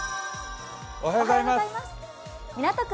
港区